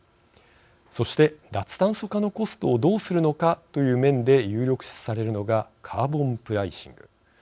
そして、脱炭素化のコストをどうするのかという面で有力視されるのがカーボンプライシング。